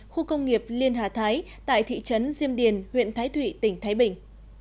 khu công nghiệp liên hà thái tại thị trấn diêm điền huyện thái thụy tỉnh thái bình